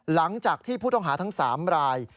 หลังจากที่ผู้ต้องหาทั้ง๓ราย